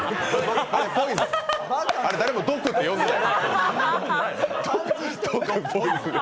あれ、誰もドクって読んでない。